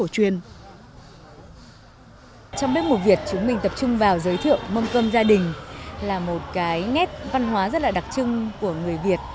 trong bếp mùa việt chúng mình tập trung vào giới thiệu mâm cơm gia đình là một cái nét văn hóa rất là đặc trưng của người việt